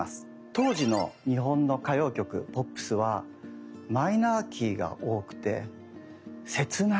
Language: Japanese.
当時の日本の歌謡曲ポップスはマイナーキーが多くてせつない。